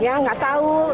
ya nggak tahu